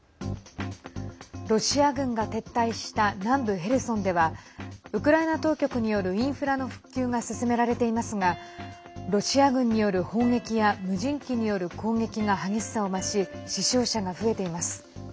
ロシア軍が撤退した南部ヘルソンではウクライナ当局によるインフラの復旧が進められていますがロシア軍による砲撃や無人機による攻撃が激しさを増し死傷者が増えています。